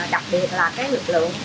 đặc biệt là lực lượng